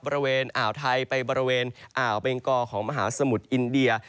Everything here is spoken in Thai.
บริเวณอ่าวไทยไปบริเวณอ่าวเบงกอของมหาสมุทรอินเดีย